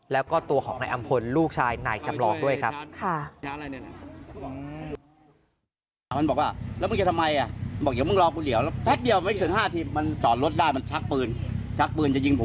แล้วก็ตัวของนายอำพลลูกชายนายจำลองด้วยครับ